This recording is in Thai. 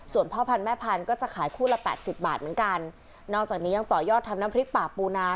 ส่วนพ่อพันธุแม่พันธุ์ก็จะขายคู่ละแปดสิบบาทเหมือนกันนอกจากนี้ยังต่อยอดทำน้ำพริกป่าปูนา